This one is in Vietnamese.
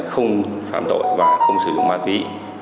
không phạm tội và không sử dụng ma túy